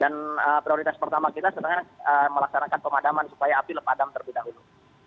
dan prioritas pertama kita sedang melaksanakan pemadaman supaya api lepadam terlebih dahulu